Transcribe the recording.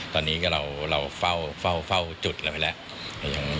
ตอนนี้ก็เราเฝ้าจุดไปแล้ว